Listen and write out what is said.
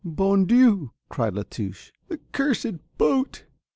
"Bon Dieu," cried La Touche. "The cursed boat."